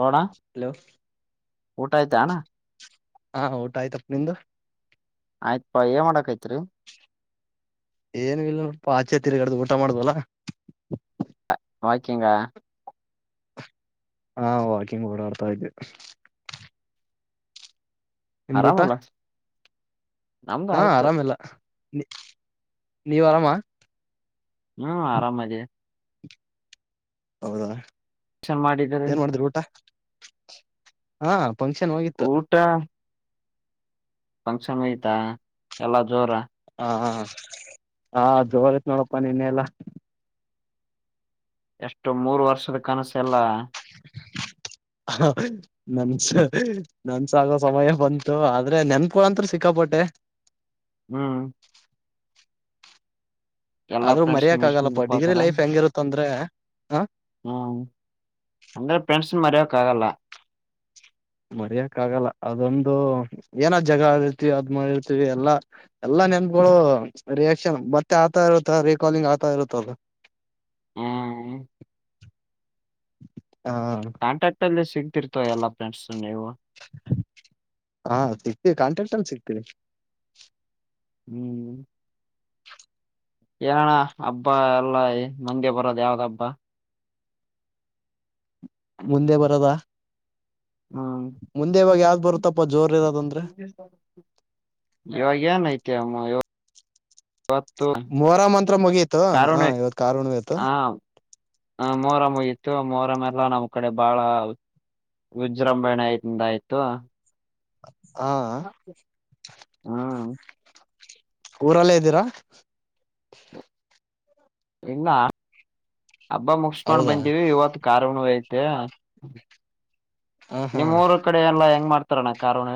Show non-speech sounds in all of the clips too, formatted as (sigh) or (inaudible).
ನೋಡ ಹಲೋ ಊಟ ಆಯ್ತಾ ಅಣ್ಣ ಹಾ ಊಟ ಆಯ್ತಪ್ಪ ನಿಂದು. ಆಯ್ತ್ಪ ಏನ್ ಮಾಡಕ್ ಆತ್ತಿ. ಏನು ಇಲ್ಲ ನೊಡಪ್ಪ ಆಚೆ ತಿರ್ಗಾಡ್ದು ಊಟ ಮಾಡುದ್ವಲ್ಲ. ವಾಕಿಂಗ. ಹಾ ವಾಕಿಂಗ್ ಓಡಾಡ್ತಾ ಇದ್ದೆ. ನಿಮ್ದ ಊಟ ಆರಾಮಲ್ಲ ನಮ್ದು ಹಾ ಆಯ್ತು ಆರಾಮಿಲ್ಲ. ನೀ ನೀ ವರಾಮ. ಹ್ಮ್ ಆರಾಮದೆ. ಹೌದಾ ಫಂಕ್ಷನ್ ಮಾಡಿದ್ರಿ ಏನ್ ಮಾಡಿದ್ರ ಊಟ ಹಾ ಫಂಕ್ಷನ್ ಹೋಗಿತ್ತು ಊಟ ಫಂಕ್ಷನ್ ಯ್ತಾ ಎಲ್ಲಾ ಜೋರ ಹಾ ಹಾ ಜೋತ್ (unintelligible) ನೋಡಪ್ಪಾ ನಿನ್ನೆ ಎಲ್ಲ. ಎಷ್ಟು ಮೂರು ವರ್ಷದ ಕನಸ್ ಎಲ್ಲಾ. (inaudible) ಹ ನನ್ಸ ನನ್ಸ ಆಗೋ ಸಮಯ ಬಂತು ಆದ್ರೆ ನೆನ್ಪಗೋಳ್ ಅಂತು ಸಿಕ್ಕಾಪಟ್ಟೆ. (inaudible) ಹ್ಮ್ ಎಲ್ಲಾ ಆದ್ರೂ ಪ್ರೆಂಡ್ಸ್ ಮರಿಯಕ್ ಆಗಲ್ಲಪ್ಪ ಡಿಗ್ರಿ ಲೈಫ್ ಹೆಂಗಿರುತ್ತ ಅಂದ್ರೆ ಹ (unintelligible) ಅಂದ್ರೆ ಫ್ರೆಂಡ್ಸ್ ನ ಮರಿಯಕ್ಕಗಲ್ಲ. ಮರಿಯಕ್ ಆಗಲ್ಲ ಅದೊಂದು ಏನೊ ಜಗಳ ಅಡಿರ್ತೀವಿ ಅದ್ಮಡಿರ್ತಿವಿ ಎಲ್ಲಾ ಎಲ್ಲಾ. ನೆನ್ಗಳು ರಿಯಾಕ್ಷನ್ ಮತ್ತೆ ಆಗ್ತಾ ಇರುತ್ತ ರರಿಕಾಲಿಂಗ್ ಆಗ್ತಾ ಇರುತ್ತದ ಹ್ಮ್ ಹ ಕಾಂಟ್ರಾಕ್ಟ್ ಅಲ್ಲಿ ಸಿಗ್ತಿರ್ತವ ಎಲ್ಲಾ ಫ್ರೆಂಡ್ಸ್ ನೀವು ಹಾ ಸಿಗ್ತೀವಿ ಕಾಂಟ್ರಾಕ್ಟನ್ ಸಿಕ್ತೀರಿ ಹ್ಮ್ ಯಾನಣ ಹಬ್ಬ ಎಲ್ಲ ಮಂದೆ ಬರದ ಯಾವ್ದ್ ಹಬ್ಬ ಮುಂದೆ ಬರದಾ ಹ್ಮ್ ಮುಂದೆ ಇವಾಗ ಯಾವ್ದ ಬರುತ್ತಪ್ಪ ಜೋರ್ ಇರೋದಂದ್ರೆ ಇವಾಗ ಏನ್ ಐತಿ ಅಮ್ಮ ಇವಾಗ ಮತ್ತು ಮೊಹರಂ ಮಂತ್ರ ಮುಗೀತು ಕಾರಣ ಹ ಇವತ್ ಕಾರ್ ಹುಣ್ಣಿಮೆ ಇತ್ತು ಹ ಹ ಮೂರ ಯತ್ತು ಮೋರ ಮೆಲ್ಲ ನಮ್ಮ್ ಕಡೆ ಬಾಳ ವಿಜೃಂಭಣೆ ಆಯ್ತಿಂದ ಆಯ್ತು ಹಾ ಹ್ಮ್ ಊರಲ್ಲೇ ಇದ್ದೀರಾ ಇಲ್ಲ ಹಬ್ಬ ಮುಗಸ್ಕೊಂಡ್ ಹೌದಾ ಬಂತಿವವಿ ಇವತ್ತು ಕಾರುಣ ಹ ಹಾ ನಿಮ್ಮ ಊರ ಕಡೆ ಎಲ್ಲ ಹೆಂಗ್ ಮಾಡ್ತಾರಣ್ಣ ಕಾರನ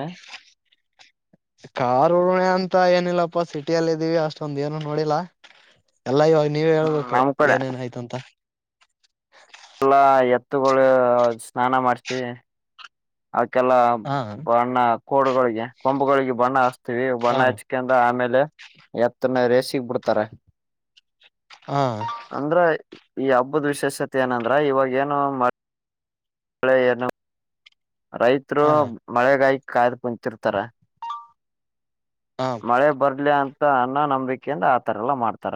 ಕಾರಾರ್ ಉಣೆ ಅಂತ ಏನಿಲ್ಲಪ್ಪ ಸಿಟಿಯಲ್ಲ ಇದೀವಿ ಅಷ್ಟೊಂದ ಏನು ನೋಡಿಲ್ಲಾ ಎಲ್ಲ ಇವಾಗ ನೀವ ಹ್ಮ್ ಹೇಳ್ಬೇಕು ನಮ್ ಕಡೆ ಏನೇನ್ ಆಯ್ತು ಅಂತ ಹತ್ತುಗಳು ಸ್ನಾನ ಮಾಡಸಿ ಕೆಲ ಹ ಬಣ್ಣ ಕೋಡುಗಳಿಗೆ ಕೊಂಬುಗಳಿಗೆ ಬಣ್ಣ ಹಚ್ತೀವಿ ಬಣ್ಣ ಹ ಹಚ್ಕಿಂದ ಆಮೇಲೆ ಎತ್ತನೇ ರೇಸಗ್ ಬಿಡ್ತಾರೆ ಹ ಅಂದ್ರ ಈ ಹಬ್ಬದ ವಿಶೇಷತೆ ಏನಂದ್ರ ಇವಾಗ ಏನು ಹಳೆೆಯನ್ನು ರೈತರು ಹ ಮಳೆಗಾಯ ಕಾಯ್ದು ಕುಂತಿರ್ತಾರ ಹ ಮಳೆ ಬರ್ಲಿ ಅಂತ ಅನ್ನ ನಂಬಿಕೆಯಿಂದ ಆತರ ಎಲ್ಲಾ ಮಾಡ್ತಾರ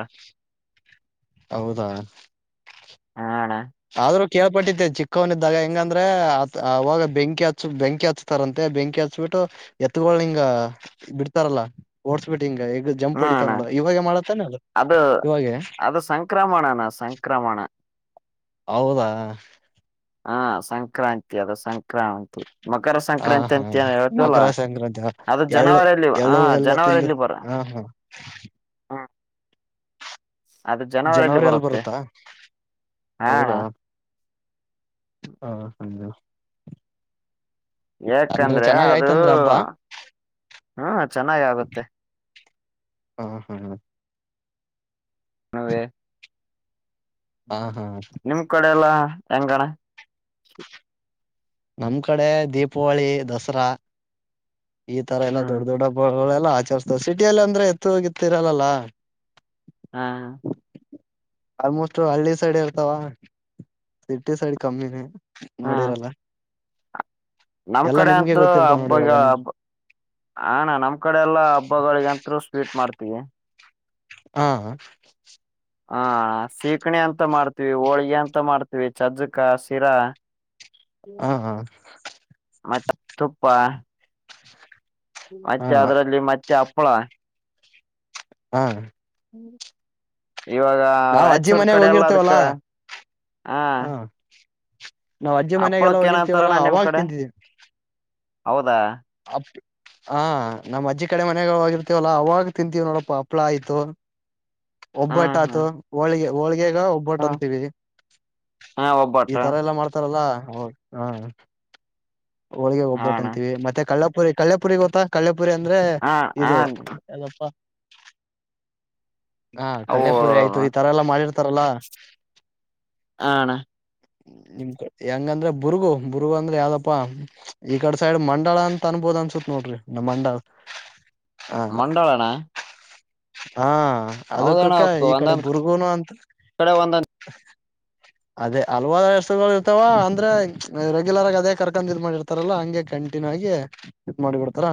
ಹೌದಾ ಹಣ ಆದ್ರೂ ಕೇಳ್ಪಟ್ಟತೆ ಚಿಕ್ಕವನಿದ್ದಾಗ ಹೆಂಗಂದ್ರೆ ಅ ಆ ಅವವಾಗ ಬೆಂಕಿ ಹಚ್ಚು ಬೆಂಕಿ ಹಚ್ತಾರಂತೆ ಬೆಂಕಿ ಹಚ್ಬಿಟ್ಟು ಎತ್ಗ ಹಿಂಗ ಬಿಡ್ತಾರಲ್ಲಾ ಓಡ್ಸ್ಬಿಟ್ಟು ಹಿಂಗ ಜಂಪ್ ಹ್ಮ ಹೊಡಿತಾ ಅಣ್ಣ ನೋಡ ಇವಾಗೆ ಮಾಡತಾನೆ ಅಲ್ಲ ಅದು ಇವಾಗೆ ಅದು ಸಂಕ್ರಮಣನ ಸಂಕ್ರಮಣ ಹೌದಾ ಹಾ ಸಂಕ್ರಾಂತಿ ಅದು ಸಂಕ್ರಾಂತಿ ಮಕರ ಹ ಸಂಕ್ರಾಂತಿ ಹಾ ಅಂತ ಏನ್ ಹೇಳ್ತವಲ್ಲ ಮಕರ ಸಂಕ್ರಾಂತಿ ಅದು ಎಳ್ಳು ಜನವರಿಯಲ್ಲಿ ಹ ಎಳ್ಳು ಎಲ್ಲ ತಿಂದು ಜನವರಿಯಲ್ಲಿ ಬರ ಹ ಹಾ ಹ್ಮ ಅದು ಜನವರಿಯಲ್ಲಿ ಜನವರಿ ಅಲ್ಲಿ ಬರುತ್ತೆ ಬರುತ್ತಾ ಹ ಅಣ್ಣ ಹಾ ಸಂಜನಾ ಅಂದ್ರೆ ಯಾಕಂದ್ರೆ ಚೆನ್ನಾಗ್ ಅದು ಆಯ್ತಂದ್ರ ಹಬ್ಬ ಹ್ಮ ಚೆನ್ನಾಗ ಆಗುತ್ತೆ ಹಾ ಹಾ ಹ ಅದೇ ಹ ಹಾ ನಿಮ ಕಡೆ ಎಲ್ಲಾ ಹೆಂಗಣ ನಮ್ ಕಡೆ ದೀಪಾವಳಿ ದಸರಾ ಈ ತರ ಎಲ್ಲಾ ಹ್ಮ್ ದೊಡ್ಡ ದೊಡ್ಡ ಹಬ್ಬಗಳೆಲ್ಲಾ ಆಚರಿಸತವೆ ಸಿಟಿಯಲ್ಲಿ ಅಂದ್ರೆ ಎತ್ತು ಹೋಗಿತ್ತಿರಲ್ಲಲ್ಲ ಹಾ ಹ ಆಲ್ಮೋಸ್ಟ್ ಹಳ್ಳಿ ಸೈಡ್ ಇರ್ತಾವ ಸಿಟಿ ಸೈಡ್ ಕಮ್ಮಿನೇ ನೋಡಿರಲ್ಲ ನಮ ಎಲ್ಲಾ ಕಡೆ ನಿಮ್ಗೆ ಅಂತರು ಗೊತ್ತಿರ್ತಾವ ನೋಡಿ ಹಬ್ಬಗ ಇವಾಗ ನಿಮ್ ಹಬ್ಬ ಆ ಅಣ್ಣ ನಮ್ ಕಡೆ ಎಲ್ಲಾ ಹಬ್ಬಗಳಗಂತರು ಸ್ವೀಟ್ ಮಾಡ್ತೀವಿ ಹಾ ಹಾ ಸೀಕಣಿ ಅಂತ ಮಾಡ್ತೀವಿ ಹೋಳ್ಗೆ ಅಂತ ಮಾಡ್ತೀವಿ ಚಜ್ಜಕ ಶಿರಾ ಹ ಹ ಮತ್ತೆ ತುಪ್ಪ ಮತ್ತೆ ಹ ಅದ್ರಲ್ಲಿ ಮತ್ತೆ ಹಪ್ಪಳ ಹಾ ಹ್ಮ (unintelligible) ಇವಾಗ ನಾವ್ ಅಜ್ಜಿ ರಾಯಚೂರ್ ಮನೆಗ್ ಕಡೆ ಎಲ್ಲ ಅದಕ್ಕ ಹೋಗಿರ್ತೇವಲ್ಲಾ ಹಾ ಹ ನಾವ್ ಅಜ್ಜಿ ಮನೆಗೆಲ್ಲ ಹಪ್ಪಳಕ್ಕ ಹೋಗಿರ್ತೀವಲ್ಲಾ ಏನಂತಾರಣ್ಣ ನಿಮ್ ಅವಾಗ ಕಡೆ ತಿಂತಿದೀವಿ ಹೌದಾ (unintelligible) ಹ ನಮ್ಮ್ ಅಜ್ಜಿ ಕಡೆ ಮನೆಾಗ ಹೋಗಿರ್ತವಲ್ಲಾ ಅವವಾಗ ತಿಂತೀವಿ ನೋಡಪ್ಪ ಹಪ್ಳಾ ಆಯ್ತು ಒಬ್ಬಟ್ಟ ಹ್ಮ್ ಆತು ಹ್ಮ್ ಹೋಳಿಗೆ ಹೋಳಿಗೆ ಈೇಗ ಒಬ್ಬಟ್ಟ ಹ್ಮ ಅಂತೀವಿ ಹಾ ಈ ಒಬ್ಬಟ್ಟು ತರ ಎಲ್ಲಾ ಮಾಡ್ತಾರಲ್ಲ ಹೌದು ಹಾ ಹೋಳಿಗೆ ಹಾ ಹೋಗ್ಬಟ್ಟ ಅಣ್ಣ ಅಂತವಿ ಮತ್ತೆ ಕಲ್ಲಪುರಿ ಕಲ್ಲಾಪುರಿ ಗತ್ತಾ ಕಲ್ಲು ಪುರಿ ಅಂದ್ರೆ ಹ ಹ ಇದು ಎಲ್ಲಪ್ಪ ಹಾ ಅವು ಕಲ್ಾಪುರಿ ಆಯ್ತು ಹ ಈ ತರ ಎಲ್ಲಾ ಮಾಡಿರ್ತಾರಲ್ಲ ಹಣ ನಿಮ್ ಕ ಹೆಂಗಂದ್ರ ಬುರ್ಗು ಬುಗ ಅಂದ್ರೆ ಯಾವ್ದ ಪ್ಪಾ ಈ ಕಡೆ ಸೈಡ್ ಮಂಡಳ ಅಂತ ಅನ್ಬೋದ ಅನ್ಸುತ್ ನೋಡ್ರಿ ನಮ್ಮ ಮಂಡಾಳ ಮಂಡಳನಾ್ಣ ಹಾ ಅದಕ್ಕಕ್ಕ ಅವಕ್ ಈ ಕಡೆ ಒಂದೊಂದ್ ಬುರ್ಗೂನು ಅಂತ ಕಡೆ ಒಂದೊಂದ್ ಅದೇ ಹಲ್ವಾದ ಎಸ್ಸಗಳು ಇರ್ತಾವ ಅಂದ್ರೆ ರೆಗ್ಯುಲರ್ ಆಗಿ ಅದೇ ಕರೆಕ್ ಇದ್ ಮಾಡಿರ್ತಾರಲ್ಲ ಹಂಗೆ ಕಂಟಿನ್ಯೂ ಆಗಿ ಇದ್ ಮಾಡಿ ಬಿಡ್ಾರ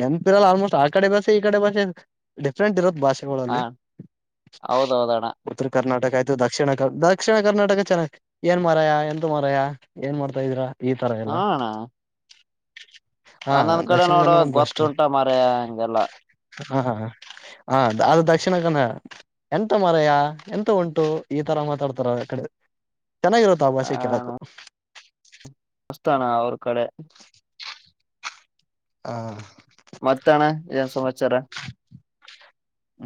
ನೆನ್ಪಿರಲ್ಲ ಆಲ್ಮೋಸ್ಟ್ ಆ ಕಡೆ ಬಸ ಈ ಕಡೆ ಭಾಷೆ ಡಿಫ್ರೆಂಟ್ ಇರೋದು ಭಾಷೆಗಳಲ್ಲಿ ಹ ಹೌದೌದಣ್ಣ ಉತ್ತರ ಕರ್ನಾಟಕ ಆಯತ ಇದು ದಕ್ಷಿಣ ಕ ದಕ್ಷಿಣ ಕರ್ನಾಟಕ ಚೆನ್ನ ಏನ್ ಮರಯ ಎಂತ ಮರಯ ಏನ್ ಮಾಡ್ತಾ ಇದೀರಾ ಈ ತರ ಎಲ್ಲ ಹಣ ಹಾ ಹಂದೊಂದ್ ಕಡೆ ದಕ್ಷಿಣ ನೋಡುವ ಕನ್ನಡ ಬೆಸ್ಟ್ ಗೊತ್ತುಂಟ ಮರ ಹಂಗೆಲ್ಲ ಹಾ ಹ ಅದು ದಕ್ಷಿಣ ಕನ್ನಡ ಎಂತ ಮರಯ ಎಂತ ಉಂಟು ಈತರ ಮಾತಾಡ್ತಾರ ಆ ಕಡೆ ಚೆನ್ನಾಗಿರುತ್ತ ಆ ಭಾಷೆ ಕೇಳಕ್ು ಅಷ್ಟತಾನ ಅವ್ರ ಕಡೆ ಹಾ (unintelligible) ಮತ್ತಣ ಏನ್ ಸಮಾಚಾರ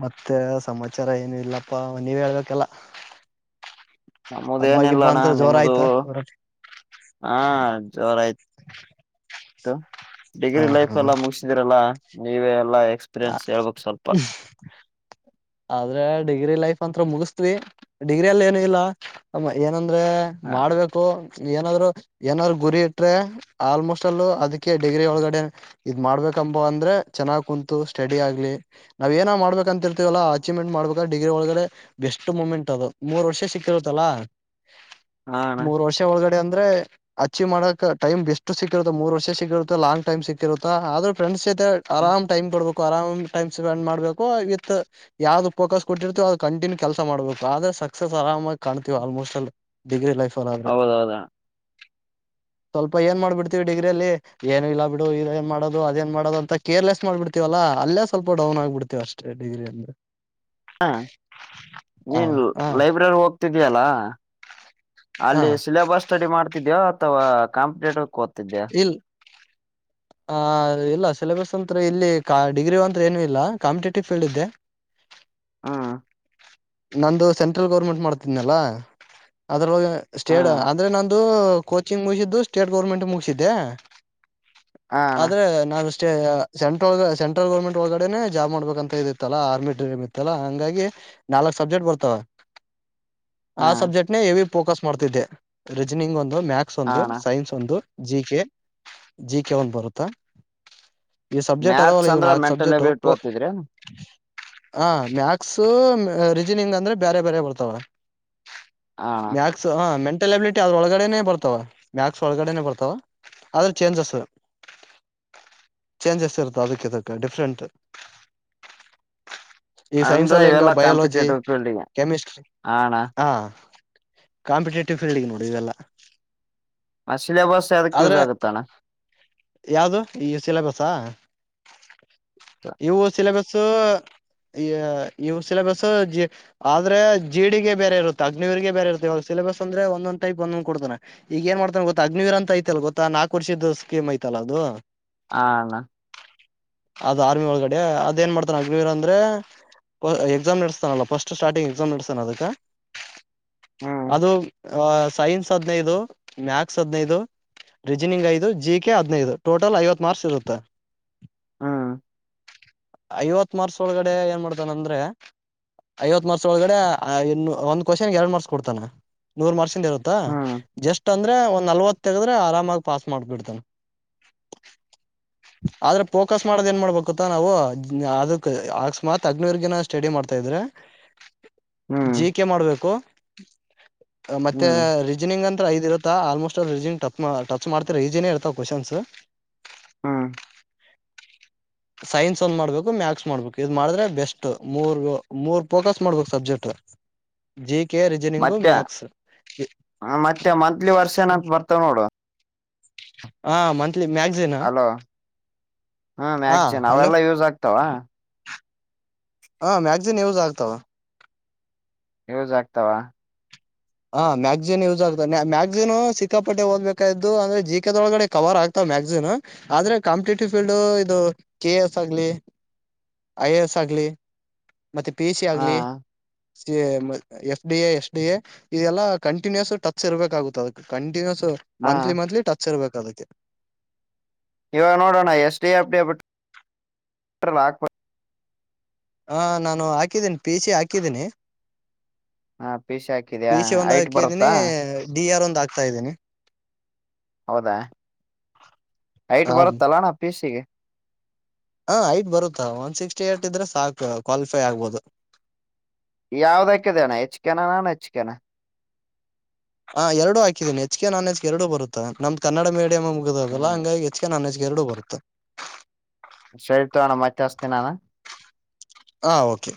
ಮತ್ತೆ ಸಮಾಚಾರ ಏನು ಇಲ್ಲಪ್ಪಾ ನೀವ್ ಹೇಳ್ಬೇಕಲ್ಲ ನಮ್ಮದೇ ಹಬ್ಬ ಗಿಬ್ಬ ಏನಿಲ್ಲಣ್ಣ ಅಂತ ಜೋರ ನಿಮ್ಮ್ದ ಆಯ್ತಾ ಹಾ ಜೋರ ಆಯ್ತು ಹ ಡಿಗ್ರಿ ಲೈಫ್ ಎಲ್ಲ ಮುಗಸಿದೀರಲ್ಲಾ ನೀವಲ್ಲ ಎಲ್ಲ ಹಾ ಎಕ್ಸ್ಪೀರಿಯನ್ಸ್ ಹೇಳ್ಬಕ್ ಸ್ವಲ್ಪ ಆದ್ರೆ ಡಿಗ್ರಿ ಲೈಫ್ ಅಂತ ಮುಗಿಸತ್ವಿ ಡಿಗ್ರಿ ಅಲ್ಲಿ ಏನು ಇಲ್ಲ ಏನಂದ ಅಂದ್ರೆ ಹ ಮಾಡ್ಬೇಕು ಏನಾದ್ರು ಏನಾದ್ರು ಗುರಿ ಇಟ್ರೆ ಆಲ್ಮೋಸ್ಟ್ ಅಲ್ಲೂ ಅದಕ್ಕೆ ಡಿಗ್ರಿ ಒಳಗಡೆ ಇದ್ ಮಾಡ್ಬೇಕು ಕಂಬ ಅಂದ್ರೆ ಚೆನ್ನ್ ಕುಂತು ಸ್ಟಡಿ ಆಗ್ಲಿ ನಾವ್ ಏನ ಮಾಡ್ಬೇಕ ಅಂತಿರ್ ಎಲ್ಲ ಅೀವ್ಮೆಂಟ್ ಮಾಡ್ಬೇಕ ಡಿಗ್ರಿ ಒಳಗಡೆ ಬೆಸ್ಟ್ ಮೂಮೆಂಟ್ ಅದು ಮೂರ್ ವರ್ಷ ಸಿಕ್ಕಿರುತ್ತಲ್ಲಾ ಹಾ ಅಣ್ಣ ಮೂರು ವರ್ಷ ಒಳಗಡೆ ಅಂದ್ರೆ ಅಚೀವ್ ಮಾಡಕ್ ಟೈಮ್ ಬೆಸ್ಟ್ ಸಿಕ್ಕಿರುತ್ತೆ ಮೂರ್ ವರ್ಷ ಸಿಕ್ಕಿರುತ್ತೆ ಲಾಂಗ್ ಟೈಮ್ ಸಿಕ್ಕಿರುತ್ತ ಆದ್ರೆ ಫ್ರೆಂಡ್ಸ್ ಆರಾಮ್ ಟೈಮ್ ಕೊಡ್ಬೇಕು ಆರಾಮ್ ಟೈಮ್ ಸ್ಪೆಂಡ್ ಮಾಡ್ಬೇಕು ಇತ್ ಯಾವ್ದ್ ಫೋಕಸ್ ಕೊಟ್ಟಿರ್ತೀವ ಅದು ಕಟಿನ್ಯೂ ಕೆಲಸ ಮಾಡ್ಬೇಕು ಆದ್ರೆ ಸಕ್ಸಸ್ ಆರಾಮಾಗಿ ಕಾಣತೀವಿ ಆಲ್ಮೋಸ್ಟ್ ಅಲ್ಲಿ ಡಿಗ್ರಿ ಲೈಫ್ ಅಲ್ಲಿ ಆದ್ರೆ ಹೌದೌದಾ (unintelligible) ಸ್ವಲ್ಪ ಏನ್ ಮಾಡ್ಬಿಡ್ತೀವಿ ಡಿಗ್ರಿಯಲ್ಲಿ ಏನು ಇಲ್ಲಾ ಬಿಡು ಇ ಏನ್ ಮಾಡದು ಅದೇಏನ್ ಮಾಡೋದು ಅಂತ ಕೇರ್ಲೆಸ್ ಮಾಡಬಿಡ್ತೀವಲ್ಲಾ ಹ ಅೇ ಸ್ವಲ್ಪ ಡೌನ್ ಆಗ್ಬಿಡ್ತೇವಿ ಅಷ್ಟೇ ಡಿಗ್ರಿಯಲ್ಲಿ ಹಾ ಹ ನೀನ್ ಹ ಲೈಬ್ರರಿ ಹೋಗ್ತಿದ್ದಯಲ್ಲಾ ಹ ಅಲ್ಲಿ ಸಿಲೆಬಸ್ ಸ್ಟಡಿ ಮಾಡ್ತಿದ್ಯೋ ಅಥವಾ ಕಂಪ್ಲೀಟ್ ಕತ ಇಲ್ ಆ ಇಲ್ಲ ಸಿಲೆಬಸ್ ಅಂತ ಇಲ್ಲಿ ಡಿಗ್ರಿ ಅಂತ್ರ ಏನುೂ ಇಲ್ಲ ಕಾಂಪಿಟೇಟಿವ್ ಫೀಲ್ಡ್ ಇದೆ ಹ್ಮ್ ನಂದು ಸೆಂಟ್ರಲ್ ಗೌರ್ಮೆಂಟ್ ಮಾಡ್ತಿದನಲ್ಲ ಅದ್ರ ಹಾ ಸ್ಟೇಟ್ ಅಂದ್ರೆ ನಂದು ಕೋಚಿಂಗ್ ಮುಗಿಸಿದ್ದು ಸ್ಟೇಟ್ ಗರ್ಮೆಂಟ್ ಮುಗಿಸಿದ್ದೆ ಹಾ ಅಣ್ಣ ಆದ್ರೆ ನಾವ ಸೆಂಳ ಸೆಂಟ್ರಲ್ ಗೌರ್ಮೆಂಟ್ ಒಳಗಡೆನೆ ಜಾಬ್ ಮಾಡ್ಬೇಕಂತ ಇದಿತ್ತಲ್ಲಾ ಆರ್ಮಿ ಡ್ರಮ್ ಇತ್ತಲ್ಲ ಹಂಗಾಗಿ ನಾಲ್ಕ್ ಸಬ್ಜೆಕ್ಟ್ ಬರ್ತವೆ ಆ ಹಾ ಸಬ್ಜೆಕ್ಟ್ ಹೆವಿ ಫೋಕಸ್ ಮಾಡ್ತಿದ್ದೆ ರೀಜನಿಂಗ್ ಒಂದು ಮ್ಯಾಥ್ಸ್ ಹಾ ಒಂದು ಅಣ್ಣ ಸೈನ್ಸ್ ಒಂದು ಜಿ ಕೆ ಜಿ ಕೆ ಒಂದು ಬರುತ್ತಾ ಈ ಸಬ್ಜೆಕ್ಟ್ ಅದಾವಲ್ಲ ಮ್ಯಾಥ್ಸ್ ಇವ್ ಅಂದ್ರ ನಾಲ್ಕು ಮೆಂಟಲ್ ಸಬ್ಜೆಕ್ಟ್ ಎಬಿಲಿಟಿ ಓದ್ತಿದ್ರಿ ಅಣ್ಣ ಹ ಮ್ಯಾಕ್ಸ ರೀಜನಿಂಗ್ ಅಂದ್ರೆ ಬೇರೆ ಬೇರೆ ಬರ್ತಾವ ಹಾ ಅಣ್ಣ ಮ್ಯಾಕ್ಸ್ ಹ ಮೆಂ ಬಲಿಟಿ ಅದ್ರೊಳಗಡೆ ಬರ್ತಾವ ಮ್ಯಾಕ್ಸ್ ಒಳಗಡೆ ಬರ್ತಾವ ಅದ್ರ ಚೇಂಜಸ್ ಚೇಂಜಸ್ ಇತ್ತ ಅದಕ್ಕೆಕ್ಕೆ ಡಿಫ್ರಂಟ್ ಈ ಸೈನ್ಸ್ ಅಂದ್ರ ಅಲ್ಲ ಹೆಂಗ ಇವೆಲ್ಲಾ ಬಯಾಲಜಿ ಕಾಂಪಿಟೇಟಿವ್ ಫೀಲ್ಡ್ಗೆ ಕೆಮಿಸಿಸ್ಟ್ರಿ ಆ ಅಣ್ಣ ಹ ಕಾಂಪಿಟೇಟಿವ್ ಫೀಲ್ಡ್ಗೆ ನೋಡು ಇವೆಲ್ಲ ಆ ಸಿಲಬಸ್ ಏದಕ್ಕೆ ಯೂಸ್ ಆದ್ರೆ ಆಗುತ್ತಣ ಯಾವ್ದು ಈ ಸಿಲೆಬಸ್ ಇವು ಸಿಲೆಬಸ್ ಸೊ ಈ ಇವು ಸಿಲೆಬಸ್ ಜ ಆದ್ರೆ ಜಿಡಿಗೆ ಬೇರೆ ಇರುತ್ತೆ ಅಗ್ನಿವರಿಗೆ ಬೇರೆ ಇರುತ್ತೆ ಇವಾಗ ಸಿಲೆಸ್ ಅಂದ್ರೆಂದ್ ಟೈಪ್ ಒಂದ್ ಕೊಡ್ತೆ ಈಗ ಏ ಮಾಡತ ಗೊ ಅಗ್ನಿವೀರ್ ಅ ಐತ ಗೊ ನಾಕ ವರ್ದ ಸ್ಮ ಐ ಇಲ ಅದು ಹಣ ಅದ್ ಆರ್ಮಿ ಒಳಗಡೆ ಅದ್ ಏನ್ ಮಾಡ್ತಾನ ಅಜವೀರ ಅಂದ್ರೆ ಎಕ್ಸಾಮ್ ನಡ್ಸ್ತಾನಲ್ಲ ಫಸ್ಟ್ ಸ್ಟಾರ್ಟಿಂಗ್ ಎಕ್ಸಾಮ್ ನಡೆಸ್ತಾನ ಅದಕ್ಕೆ ಹ್ಮ್ ಅದು ಅ ಸೈನ್ಸ್ ಹದ್ನೈದು ಮ್ಯಾಥಸ್ ಹದ್ನೈದು ರೀಜನಿಂಗ್ ಐದು ಜಿ ಕೆ ಹದಿನೈದು ಟೋಟಲ್ ಐವತ್ತು ಮಾರ್ಕ್ಸ್ ಇರುತ್ತೆ ಹ್ಮ್ ಐವತ್ ಮಾರ್ಷ ಒಳಗಡೆ ಏನ್ ಮಾಡ್ತಾನ ಅಂದ್ರೆ ಐವತ್ ವರ್ಷ ಒಳಗಡೆ ಇನ್ನು ಒಂದ್ ಕ್ವಶನ್ ಎರಡು ಮಾರ್ಷ ಕೊಡ್ತಾನ ನೂರ್ ವರ್ಷ ಇರುತ್ತಾ ಹ್ಮ್ ಜಸ್ಟ್ ಅಂದ್ರೆ ಒಂದ್ ನಲ್ವತ್ ತೆಗದ್ರೆ ಆರಾಮಾಗಿ ಪಾಸ್ ಮಾಡ್ಬಿಡ್ತಾನ ಆದ್ರೆ ಫೋಕಸ್ ಮಾಡದ ಏನ್ ಮಾಡ್ಬೇಕುತ್ತ ನಾವು ಅದಕ್ ಅಕಸ್ಮಾತ್ ಅಗ್ನೂರ್ಗಿನ ಸ್ಟಡಿ ಮಾಡ್ತಾ ಇದ್ರೆ ಹ್ಮ್ ಜಿಕೆ ಮಾಡ್ಬೇಕು ಮತ್ತೆ ಹ್ಮ್ ರೀಜನಿಂಗ್ ಅಂತ ಐದ್ ಇರುತ್ತಾ ಆಲ್ಮೋಸ್ಟ್ ಟಚ್ ಮಾಡ್ತಿರ ಈಸಿನೇ ಇರ್ತ ಕ್ವೆನ್ಸ್ ಹ ಹ ಸೈನ್ಸ್ ಒಂದ್ ಮಾಡ್ಬೇಕು ಮ್ಯಾಥ್ಸ್ ಮಾಡ್ಬೇಕು ಈದ್ ಮಾಡಿದ್ರೆ ಬೆಸ್ಟ್ ಮೂರ್ ಮೂರ್ ಫೋಕಸ್ ಮಾಡ್ಬೇಕು ಸಬ್ಜೆಕ್ಟ್ ಜ ಕೆ ರಿಜನಿಂಗು ಮತ್ತೆ ಮ್ಯಾಕ್ಸ್ ಮತ್ತೆ ಮಂತ್ಲಿ ವರ್ಷನ್ ಅಂತ ಬರ್ತಾವ ನೋಡು ಹಾ ಮಂತ್ಲಿ ಮ್ಯಾಗಝನಾ ಹ್ಮ್ ಮ್ಯಾಕ್ಚನ್ ಹಲೋ ಅವೆಲ್ಲಾ ಯೂಸ್ ಆಗ್ತಾವ ಹ ಮ್ಯಾಗಜಿನ್ ಯೂಸ್ ಆಗ್ತಾವ ಯೂಜ ಆಗ್ತಾವ ಹಾ ಮ್ಯಾಗ್ಸಿನ್ ಯೂಸ್ ಆಗ್ತದೆ ಮ್ಯಾಗಸಿನ್ ಸಿಕ್ಕಾಪಟ್ಟೆ ಓದ್ಬೇಕ್ ಅಂದ್ರೆ ಜಿಕೆ ಒಳಗಡೆ ಕವರ್ ಆಗ್ತ ಮ್ಯಾಗಸೀನ್ ಆದ್ರೆ ಕಾಂಪಿಟೇಟಿವ್ ಫೀಲ್ಡ್ ಇದು ಕೆ ಎ ಎಸ್ ಆಗ್ಲಿ ಐ ಎ ಎಸ್ ಆಗ್ಲಿ ಮತ್ತೆ ಪಿ ಎಚ್ ಸಿ ಹ ಆಗ್ಲಿ F D A S D A ಇದೆಲ್ಲ ಕಂಟಿನ್ಯೂಸ್ ಟಚ್ಸ್ ಇರ್ಬೇಕಾಗುತ್ತ ಅದಕ್ಕೆ ಕಂಟಿನ್ಯೂಸ್ ಹ ಮಂತ್ಲಿ ಮಂತ್ಲಿ ಟಚ್ ಇರ್ಬೇಕದಕ್ಕೆ ಇವಾಗ ನೋಡೋಣ ಎಷ್ಟಡಿ ಅಪ್ಡೇ ಬಟ್ ಹಾಕ್ ಹಾ ನಾನು ಹಾಕಿದ್ದೀನಿ ಪಿ ಸಿ ಹಾಕಿದ್ದೀನಿ ಹ ಪಿ ಸಿ ಹಾಕಿದ್ಯಾ ಪಶೆ ಐಟ್ ಒಂದಕದಿನಿ ಬರುತ್ತಾ ಡಿ ಆರ್ ಒಂದ ಆ್ತ ಇದ್ದೀನಿ ಹೌದಾ ಐಟ್ ಹ ಬರುತ್ತಲ್ಲಣ್ಣ ಪೀಸಿಗೆ ಹ ಐಟ್ ಬರುತ್ತಾ ಒನ್ ಸಿಕ್ಸ್ಟಿ ಏಟ್ ಇದ್ರೆ ಸಾಕು ಕ್ವಾಲಿಫೈ ಆಗ್ಬೋದು ಯಾವದಕ್ಕಿದೆನ ಹೆಚ್ಕನ ನಾನು ಹೆಚ್ಕನ ಹಾ ಎರಡು ಹಾಕಿದ್ದೀನಿ ಎಚ್ ಕೆ ನಾಲೆಜ್ಗೆ ಎರಡು ಬರುತ್ತ ನಮ್ನಡ ಮೀಡಿಯಮ್ ಮುಗಿದಲ್ಲ ಹ್ಮ್ ಹಂಗಾಗಿ ಹೆ ಎಚ್ ಕೆ ನಾನೆಜ್ ಎರಡು ಬರುತ್ತೆ ತ ನಾನ ಹಾ ಓಕೆ